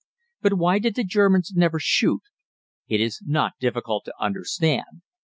But why did the Germans never shoot? It is not difficult to understand.